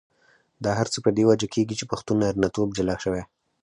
دا هر څه په دې وجه کېږي چې پښتون نارینتوب جلا شوی.